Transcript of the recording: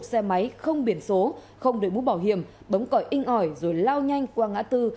xe máy không biển số không đợi mũ bảo hiểm bấm cỏi in ỏi rồi lao nhanh qua ngã tư